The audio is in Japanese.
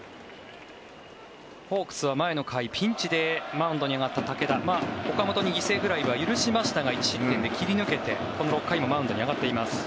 ホークスは前の回ピンチでマウンドに上がった武田岡本に犠牲フライは許しましたが１失点で切り抜けてこの６回もマウンドに上がっています。